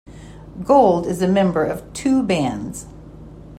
Gold is a member of two bands.